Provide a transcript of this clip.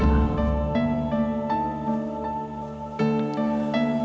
saya akan mencari baka wulung saya akan mencari baka wulung